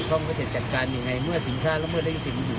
อยากไม่ให้แก้เป็นริบายของใครผมอยากจะรู้